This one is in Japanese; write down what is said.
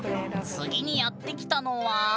次にやって来たのは。